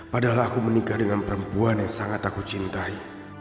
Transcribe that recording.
padahal aku menikah dengan perempuan yang sangat aku cintai